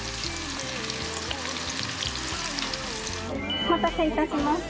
お待たせいたしました。